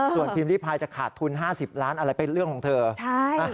ส่วนพิมพ์ริพายจะขาดทุน๕๐ล้านอะไรเป็นเรื่องของเธอ